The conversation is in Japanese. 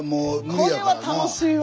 これは楽しいわ。